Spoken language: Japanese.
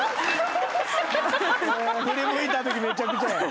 振り向いたときめちゃくちゃや。